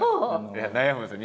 いや悩むんですよ